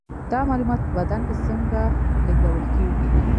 دا معلومات په بدن کې څنګه لیږدول کیږي